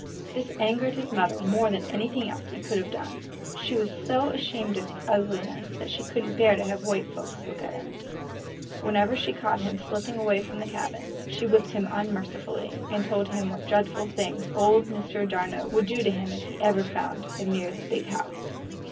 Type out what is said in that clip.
This angered his mother more than anything else he could have done; she was so ashamed of his ugliness that she could n't bear to have white folks see him. Whenever she caught him slipping away from the cabin, she whipped him unmercifully, and told him what dreadful things old Mr. d'Arnault would do to him if he ever found him near the "Big House."